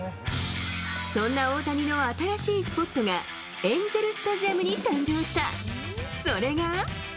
そんな大谷の新しいスポットが、エンゼル・スタジアムに誕生した。